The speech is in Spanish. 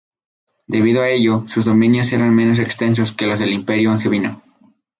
Debido a ello, sus dominios eran menos extensos que los del Imperio angevino.